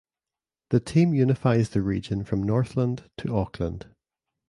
The team unifies the region from Northland to Auckland.